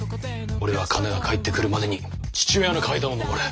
俺はカナが帰ってくるまでに父親の階段を上る。